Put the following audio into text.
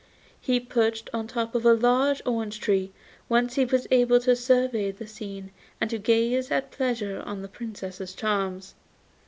He perched on the top of a large orange tree, whence he was able to survey the scene and to gaze at pleasure on the Princess's charms.